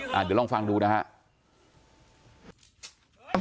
เดี๋ยวลองฟังดูนะครับ